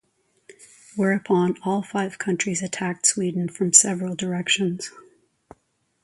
Whereupon all five countries attacked Sweden from several directions.